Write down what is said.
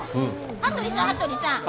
羽鳥さん、羽鳥さん